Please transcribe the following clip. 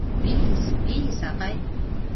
— Вис, вис, ағай.